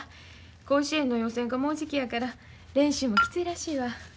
甲子園の予選がもうじきやから練習もきついらしいわ。